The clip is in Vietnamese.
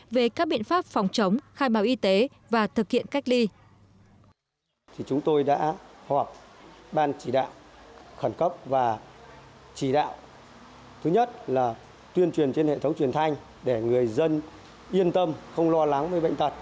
về các biện pháp phòng chống khai báo y tế và thực hiện cách ly